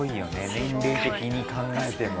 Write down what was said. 年齢的に考えても。